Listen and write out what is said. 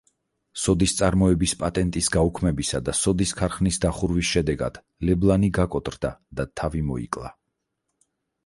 სოდის წარმოების პატენტის გაუქმებისა და სოდის ქარხნის დახურვის შედეგად ლებლანი გაკოტრდა და თავი მოიკლა.